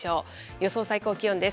予想最高気温です。